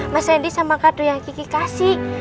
mas randi sama kado yang geki kasih